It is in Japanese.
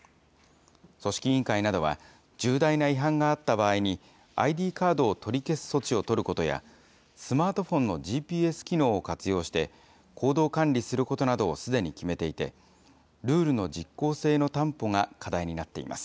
組織委員会などは、重大な違反があった場合に、ＩＤカードを取り消す措置を取ることや、スマートフォンのＧＰＳ機能を活用して、行動管理することなどをすでに決めていて、ルールの実効性の担保が課題になっています。